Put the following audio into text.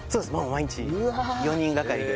毎日４人掛かりで。